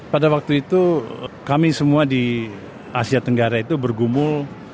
pada waktu itu kami semua di asia tenggara itu bergumul